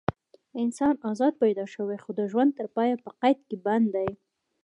انسان ازاد پیدا شوی خو د ژوند تر پایه په قید کې بندي دی.